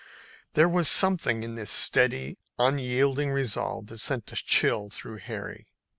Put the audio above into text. There was something in this steady, unyielding resolve that sent a chill through Harry.